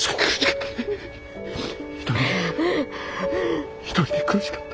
１人で１人で苦しかった。